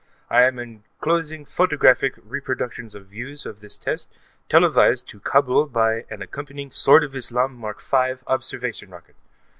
I am enclosing photographic reproductions of views of this test, televised to Kabul by an accompanying Sword of Islam Mark V observation rocket.